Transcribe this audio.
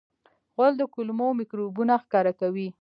غول د کولمو میکروبونه ښکاره کوي.